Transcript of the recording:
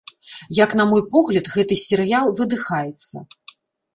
Як на мой погляд, гэты серыял выдыхаецца.